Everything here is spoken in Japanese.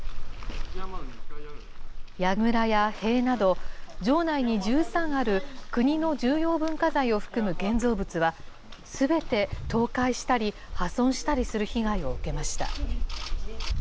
やぐらや塀など、城内に１３ある国の重要文化財を含む建造物は、すべて倒壊したり、破損したりする被害を受けました。